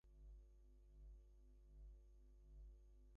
He also designed several Packard show cars.